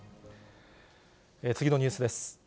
次のニュースです。